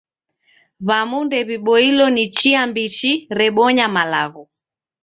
W'amu ndew'iboilo ni chia mbishi rebonya malagho.